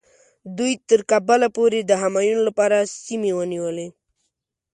دوی تر کابله پورې د همایون لپاره سیمې ونیولې.